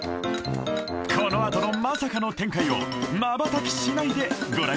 このあとのまさかの展開をまばたきしないでご覧